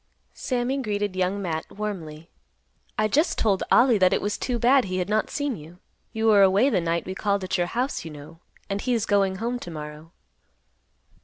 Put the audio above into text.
Sammy greeted Young Matt warmly. "I just told Ollie that it was too bad he had not seen you. You were away the night we called at your house, you know; and he is going home to morrow."